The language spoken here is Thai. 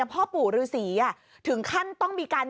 พ่อปู่ฤษีถึงขั้นต้องมีการ